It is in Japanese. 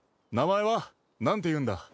名前は？なんて言うんだ？